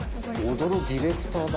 踊るディレクターだね！